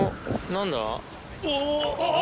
何だ？